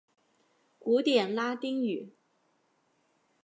古典拉丁语。